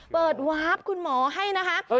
เปิดวาร์ฟคุณหมอให้นะครับ